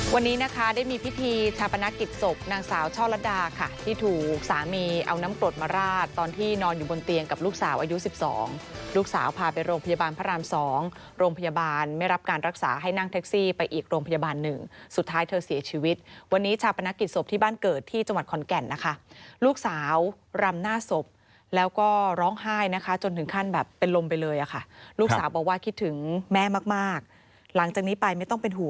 วันนี้นะคะได้มีพิธีชาปนักกิจศพนางสาวช่อลัดดาค่ะที่ถูกสามีเอาน้ำโกรธมาราดตอนที่นอนอยู่บนเตียงกับลูกสาวอายุ๑๒ลูกสาวพาไปโรงพยาบาลพระราม๒โรงพยาบาลไม่รับการรักษาให้นั่งแท็กซี่ไปอีกโรงพยาบาลหนึ่งสุดท้ายเธอเสียชีวิตวันนี้ชาปนักกิจศพที่บ้านเกิดที่จังหวัดขอนแก่น